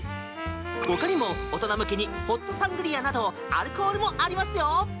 ほかにも大人向けにホットサングリアなどアルコールもありますよ！